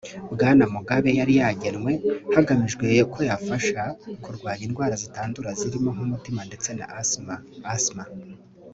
Bwana Mugabe yari yagenwe hagamijwe ko yafasha kurwanya indwara zitandura zirimo nk’umutima ndetse na asima [asthma]